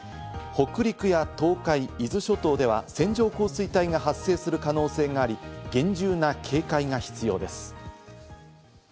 北陸や東海、伊豆諸島では線状降水帯が発生する可能性があり、厳重な警戒が必要です。